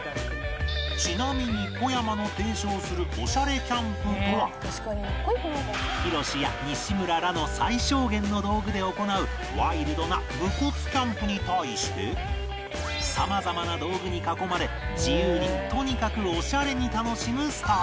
ちなみに小山の提唱するヒロシや西村らの最小限の道具で行うワイルドな無骨キャンプに対して様々な道具に囲まれ自由にとにかくおしゃれに楽しむスタイル